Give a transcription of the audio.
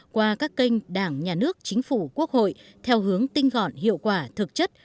qua các kênh đảng nhà nước chính phủ quốc hội theo hướng tinh gọn hiệu quả thực chất